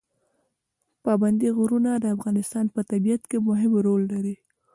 پابندی غرونه د افغانستان په طبیعت کې مهم رول لري.